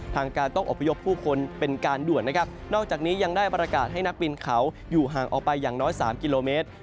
ทางการต้องอบพยพผู้คนเป็นการด่วนนะครับนอกจากนี้ยังได้ประกาศให้นักบินเขาอยู่ห่างออกไปอย่างน้อย๓กิโลเมตร